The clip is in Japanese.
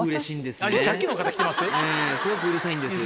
すごくうるさいんです。